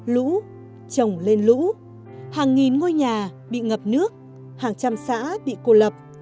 lũ trồng lên lũ hàng nghìn ngôi nhà bị ngập nước hàng trăm xã bị cô lập